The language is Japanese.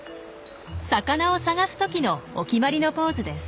魚を探す時のお決まりのポーズです。